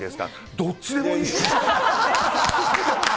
どっちでもいい。